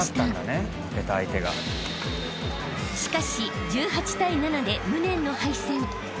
［しかし１８対７で無念の敗戦］